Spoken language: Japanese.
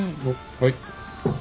はい。